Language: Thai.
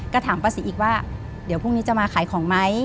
ก็ถามป้าศรีอีกว่าเดี๋ยวพรุ่งนี้จะมาขายของไหม